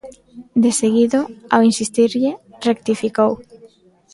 Deseguido, ao insistirlle, rectificou.